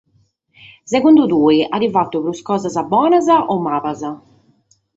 Segundu te, at fatu prus cosas bonas o malas?